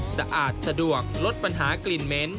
สะอาดสะดวกลดปัญหากลิ่นเหม็น